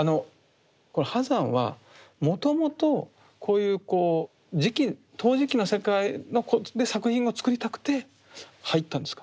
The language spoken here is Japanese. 波山はもともとこういう磁器陶磁器の世界で作品を作りたくて入ったんですか？